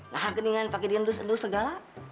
lahan keningan pakai diendus endus segala